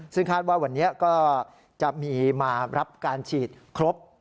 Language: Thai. ซึ่งคาดว่าวันนี้ก็จะมีมารับการฉีดครบ